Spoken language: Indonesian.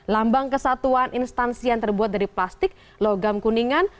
lambang kesatuan instansi yang terbuat dari plastik logam kuningan